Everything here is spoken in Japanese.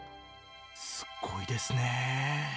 すごいですね。